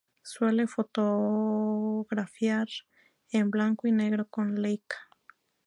Suele fotografiar en blanco y negro con Leica.